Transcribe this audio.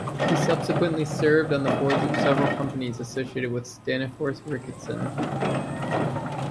He subsequently served on the boards of several companies associated with Staniforth Ricketson.